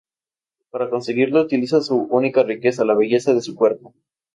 Para conseguirlo utiliza su única riqueza, la belleza de su cuerpo.